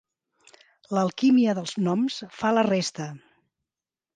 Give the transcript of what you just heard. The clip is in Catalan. L'alquímia dels noms fa la resta.